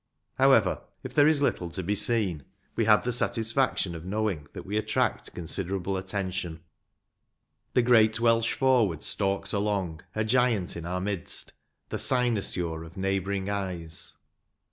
However, if there is little to be seen, we have the satisfaction of knowing that we attract con siderable attention. The great Welsh forward stalks along, a giant in our midst, " the cynosure of neighbouring eyes."